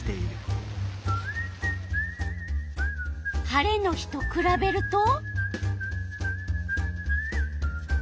晴れの日とくらべると？